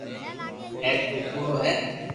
ھين تو تو ڪوڙو ھي